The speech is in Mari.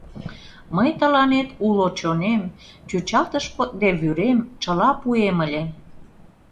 Мый тыланет уло чонем, чӱчалтыш кодде вӱрем — чыла пуэм ыле.